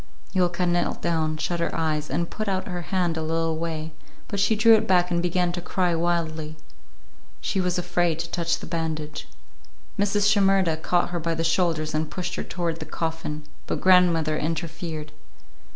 Yulka knelt down, shut her eyes, and put out her hand a little way, but she drew it back and began to cry wildly. She was afraid to touch the bandage. Mrs. Shimerda caught her by the shoulders and pushed her toward the coffin, but grandmother interfered.